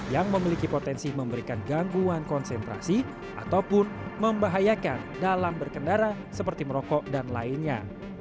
yang memiliki potensi memberikan gangguan konsentrasi ataupun membahayakan dalam berkendara seperti merokok dan lainnya